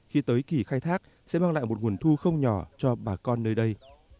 khi tới kỳ khai thác sẽ mang lại một nguồn thu không nhỏ cho bà con nơi đây